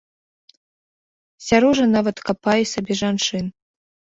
Сярожа нават капае сабе жанчын.